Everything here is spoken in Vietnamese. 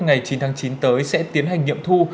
ngày chín tháng chín tới sẽ tiến hành nghiệm thu